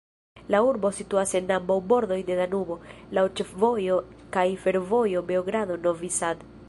La urbo situas en ambaŭ bordoj de Danubo, laŭ ĉefvojo kaj fervojo Beogrado-Novi Sad.